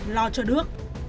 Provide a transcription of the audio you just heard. lo cho đức